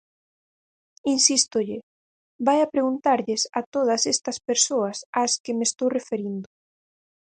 Insístolle: vaia preguntarlles a todas estas persoas ás que me estou referindo.